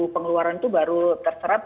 pengeluaran itu baru terserap